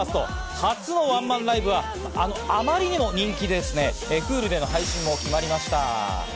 初のワンマンライブは、あまりにも人気で、Ｈｕｌｕでの配信も決まりました。